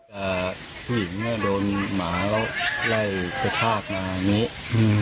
อ่าผู้หญิงเนี้ยโดนหมาแล้วไล่กระทาบมานี้อืม